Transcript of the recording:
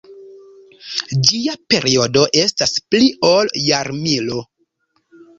Ĝia periodo estas pli ol jarmilo.